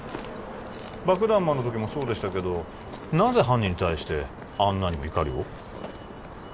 爆弾魔の時もそうでしたけどなぜ犯人に対してあんなにも怒りを？